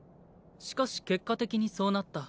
しかし結果的にそうなった。